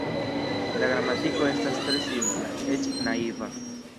La gramatiko estas tre simpla, eĉ naiva.